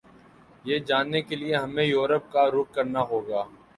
یہ جاننے کیلئے ہمیں یورپ کا رخ کرنا ہوگا